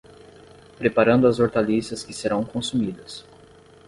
Preparando as hortaliças que serão consumidas